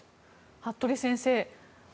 服部先生